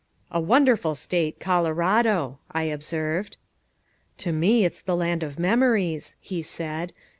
"A wonderful state Colorado," I observed. "To me it's the land of memories," he said.